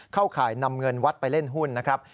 ข่ายนำเงินวัดไปเล่นหุ้นนะครับ